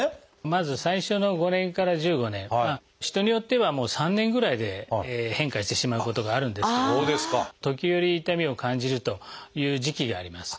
まず最初の５年から１５年人によっては３年ぐらいで変化してしまうことがあるんですけど時折痛みを感じるという時期があります。